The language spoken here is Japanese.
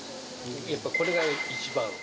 やっぱりこれが一番。